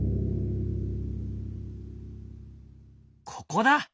ここだ。